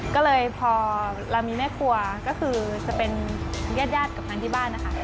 ก็เลยพอเรามีแม่ครัวก็คือจะเป็นญาติกับทางที่บ้านนะคะ